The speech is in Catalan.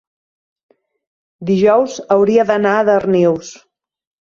dijous hauria d'anar a Darnius.